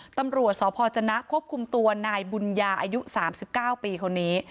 ตำรวจสอบพอร์จนะควบคุมตัวนายบุญญาอายุสามสิบเก้าปีคนนี้